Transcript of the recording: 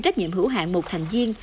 trách nhiệm hữu hạng một thành viên